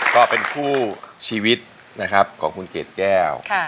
ก็เป็นคู่ชีวิตนะครับของคุณเกดแก้ว